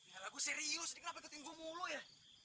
ya lagu serius ini kenapa ikutin gue mulu ya